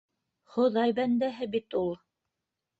Хоҙай бәндәһе бит ул!